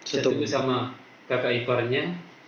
setuju sama kakak iparnya